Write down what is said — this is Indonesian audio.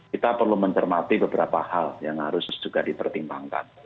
kita perlu mencermati beberapa hal yang harus juga dipertimbangkan